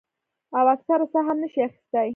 او اکثر ساه هم نشي اخستے ـ